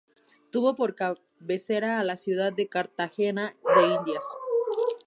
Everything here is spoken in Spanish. Tuvo por cabecera a la ciudad de Cartagena de Indias.